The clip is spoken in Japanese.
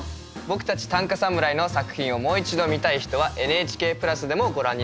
僕たち短歌侍の作品をもう一度見たい人はＮＨＫプラスでもご覧になれます。